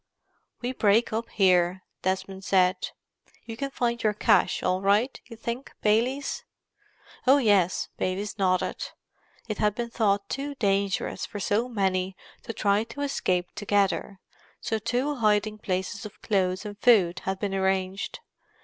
"We break up here," Desmond said. "You can find your cache all right, you think, Baylis?" "Oh, yes," Baylis nodded. It had been thought too dangerous for so many to try to escape together, so two hiding places of clothes and food had been arranged.